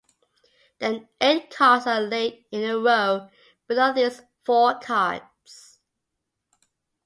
Then eight cards are laid in a row below these four cards.